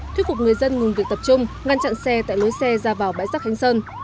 thuyết phục người dân ngừng việc tập trung ngăn chặn xe tại lối xe ra vào bãi rác khánh sơn